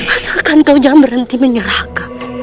asalkan kau jangan berhenti menyerah kang